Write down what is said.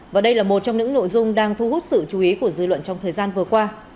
và đây là một trong những nội dung đang thu hút sự chú ý của dư luận trong thời gian vừa qua